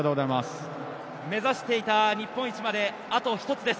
目指していた日本一まで、あと一つです。